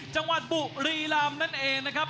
จังหวัดบุรีรำนั่นเองนะครับ